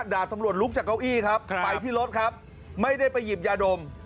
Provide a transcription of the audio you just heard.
ดาบตำรวจลุกจากเก้าอี้ครับไปที่รถครับไม่ได้ไปหยิบยาดม